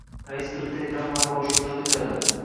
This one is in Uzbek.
Rais bir telegrammani boshi uzra ko‘tardi.